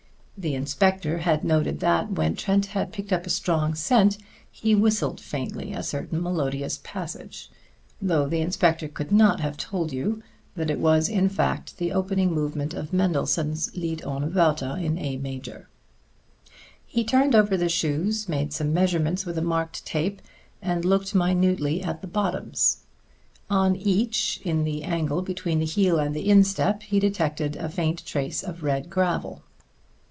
The inspector had noted that, when Trent had picked up a strong scent, he whistled faintly a certain melodious passage; though the inspector could not have told you that it was, in fact, the opening movement of Mendelssohn's Lied ohne Wörter in A major. He turned the shoes over, made some measurements with a marked tape, and looked minutely at the bottoms. On each, in the angle between the heel and the instep, he detected a faint trace of red gravel.